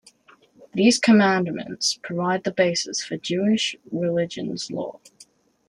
These commandments provide the basis for Jewish religious law.